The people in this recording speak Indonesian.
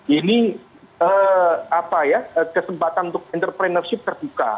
ini kesempatan untuk entrepreneurship terbuka